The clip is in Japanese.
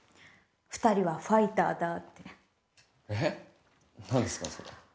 「二人はファイターだ」って何ですかそれ？